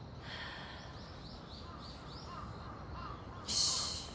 よし。